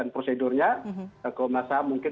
prosedurnya komnas ham mungkin